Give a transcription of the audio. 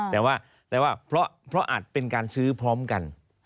แต่ว่าแต่ว่าเพราะอาจเป็นการซื้อพร้อมกัน